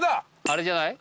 あれじゃない？